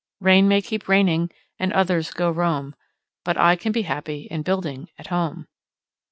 Rain may keep raining, and others go roam, But I can be happy and building at home.